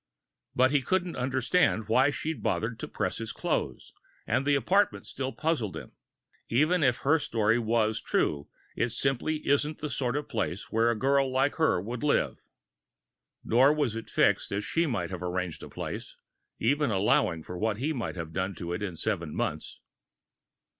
But he couldn't understand why she'd bothered to press his clothes. And the apartment still puzzled him. Even if her story was true, it simply wasn't the sort of a place where a girl like her would live. Nor was it fixed as she might have arranged a place, even allowing for what he might have done to it in seven months.